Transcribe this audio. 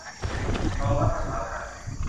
รองรับภาษาไทย